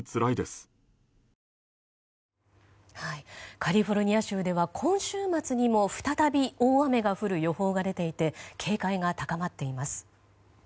カリフォルニア州では今週末にも再び大雨が降る予報が出ていて警戒が高まっています。